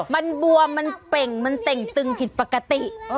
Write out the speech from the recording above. มันบวมมันเป่งมันเต่งตึงผิดปกติ